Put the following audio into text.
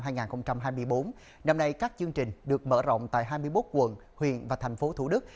hôm nay các chương trình được mở rộng tại hai mươi bốn quận huyện và thành phố thủ đức